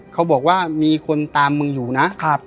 เขาบอกว่ามีคนตามมึงอยู่นะ